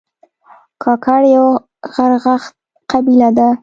کاکړ یو غرغښت قبیله ده